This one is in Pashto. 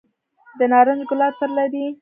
د نارنج ګل عطر لري؟